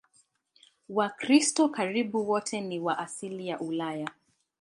Wakristo karibu wote ni wa asili ya Ulaya.